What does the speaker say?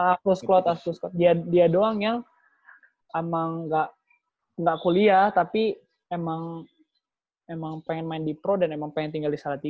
apusklot apusklot dia doang yang emang gak kuliah tapi emang pengen main di pro dan emang pengen tinggal di pro